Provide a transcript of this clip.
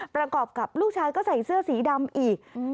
ประกอบกับลูกชายก็ใส่เสื้อสีดำอีก